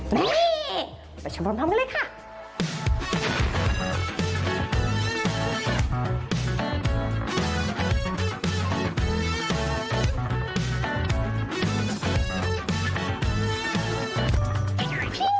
นี่ไปชมพร้อมกันเลยค่ะ